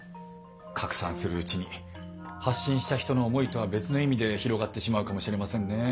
拡散するうちに発信した人の思いとは別の意味で広がってしまうかもしれませんね。